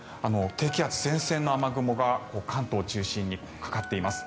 低気圧、前線の雨雲が関東中心にかかっています。